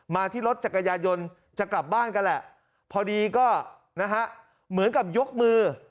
มาที่รถจักรยายนจะกลับบ้านกันแหละพอดีก็นะฮะเหมือนกับยกมือ